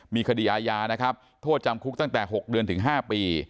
มีคดีอาญานะครับโทษจำคุกตั้งแต่๖เดือนถึง๕ปี